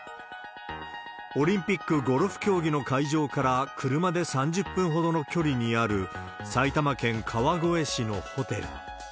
オリンピックゴルフ競技の会場から車で３０分ほどの距離にある、埼玉県川越市のホテル。